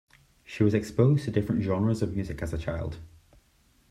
She was exposed to different genres of music as a child.